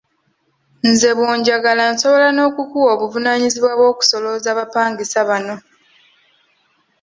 Nze bw'onjagala nsobola n'okukuwa obuvunaanyizibwa bw'okusolooza bapangisa banno.